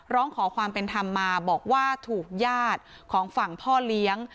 ร้องขอความเป็นธรรมมาบอกว่าถูกญาติของฝั่งพ่อเลี้ยง